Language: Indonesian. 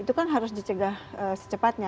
itu kan harus dicegah secepatnya